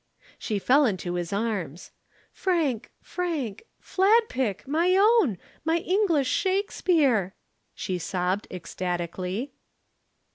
She fell into his arms. "Frank Frank Fladpick, my own, my English Shakespeare," she sobbed ecstatically.